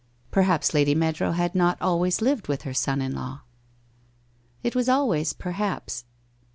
Per haps Lady Meadrow had not always lived with her son in law? It was always 'perhaps.'